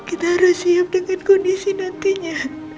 kita harus siap dengan kondisi nantinya